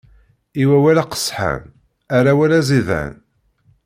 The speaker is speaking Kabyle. I wawal aqesḥan, err awal aẓidan!